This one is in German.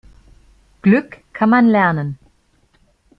Glück kann man lernen.